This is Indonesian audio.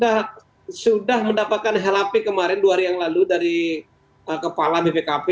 di kejanggung ini sudah mendapatkan helapi kemarin dua hari yang lalu dari kepala bpkp